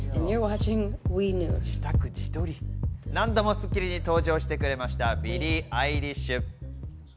何度も『スッキリ』に登場してくれました、ビリー・アイリッシュ。